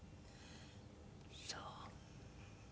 そう。